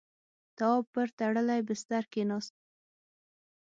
تواب پر تړلی بسترې کېناست.